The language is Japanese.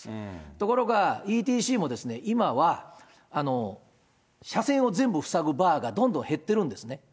ところがＥＴＣもですね、今は車線を全部塞ぐバーがどんどん減ってるんですね。